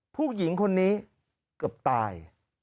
ผู้หญิงคนนี้เกือบตาย